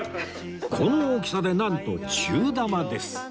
この大きさでなんと中玉です